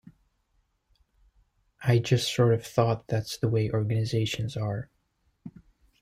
I just sort of thought that's the way organizations are.